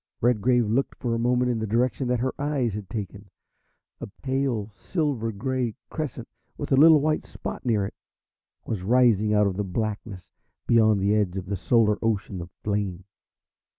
Redgrave looked for a moment in the direction that her eyes had taken. A pale, silver grey crescent, with a little white spot near it, was rising out of the blackness beyond the edge of the solar ocean of flame.